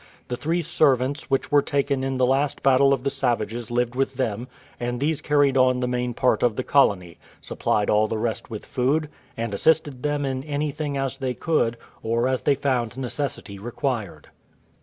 The three servants which were taken in the last battle of the savages lived with them; and these carried on the main part of the colony, supplied all the rest with food, and assisted them in anything as they could, or as they found necessity required.